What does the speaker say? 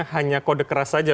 hanya kode keras saja